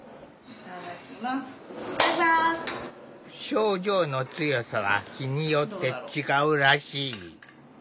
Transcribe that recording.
症状の強さは日によって違うらしい。